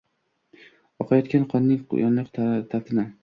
Oqayotgan qonning yoniq taftini.